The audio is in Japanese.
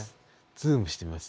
ズームしてみます。